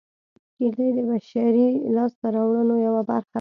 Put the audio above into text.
کېږدۍ د بشري لاسته راوړنو یوه برخه ده